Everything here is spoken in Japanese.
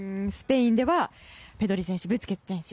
スペインではペドリ選手、ブスケツ選手。